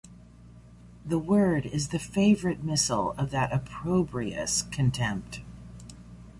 The word is the favorite missile of that opprobrious contempt.